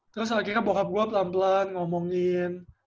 terus akhirnya bokap gue pelan pelan ngomongin